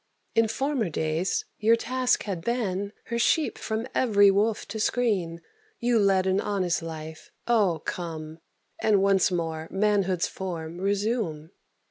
In former days your task had been Her sheep from every wolf to screen: You led an honest life. Oh, come, And once more manhood's form resume."